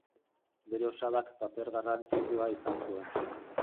Bere osabak paper garrantzitsua izan zuen.